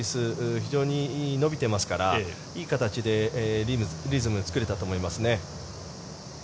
非常に伸びてますからいい形でリズムを作れたと思いますね。